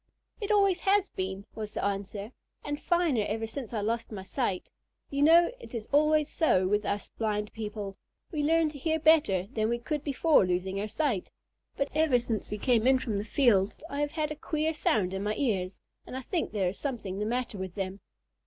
"It always has been," was the answer, "and finer than ever since I lost my sight. You know it is always so with us blind people. We learn to hear better than we could before losing our sight. But ever since we came in from the field I have had a queer sound in my ears, and I think there is something the matter with them."